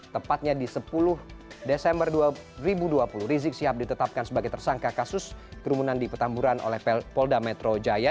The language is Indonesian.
tepatnya di sepuluh desember dua ribu dua puluh rizik sihab ditetapkan sebagai tersangka kasus kerumunan di petamburan oleh polda metro jaya